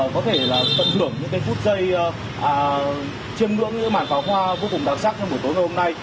có thể tận hưởng những phút giây chiêm ngưỡng những bản pháo hoa vô cùng đặc sắc trong buổi tối hôm nay